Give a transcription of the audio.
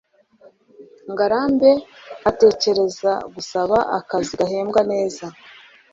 ngarambe atekereza gusaba akazi gahembwa neza